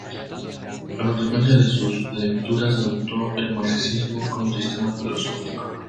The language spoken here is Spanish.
A consecuencia de sus lecturas adoptó el marxismo como sistema filosófico.